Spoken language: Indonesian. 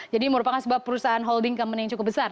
jadi merupakan sebuah perusahaan holding company yang cukup besar